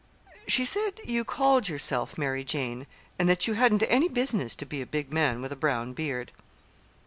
"She said you called yourself 'Mary Jane,' and that you hadn't any business to be a big man with a brown beard."